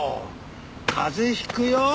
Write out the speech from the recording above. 風邪引くよ。